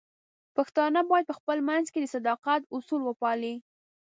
پښتانه بايد په خپل منځ کې د صداقت اصول وپالي.